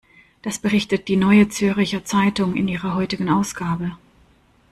Das berichtet die Neue Zürcher Zeitung in ihrer heutigen Ausgabe.